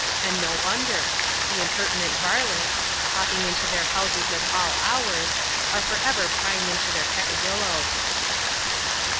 And no wonder : the impertinent varlets, popping into their houses at all hours, are for ever prying into their peccadilloes.